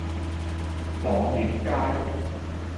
朗月街